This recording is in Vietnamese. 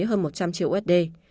hơn một trăm linh triệu usd